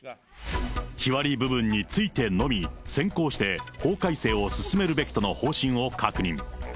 日割り部分についてのみ先行して法改正を進めるべきとの方針を確認。